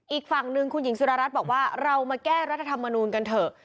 อีกฝั่งหนึ่งคุณหญิงสุรัตน์บอกว่าเรามาแก้รัฐธรรมนูลกันเถอะ